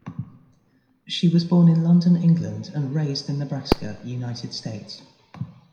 She was born in London, England and raised in Nebraska, United States.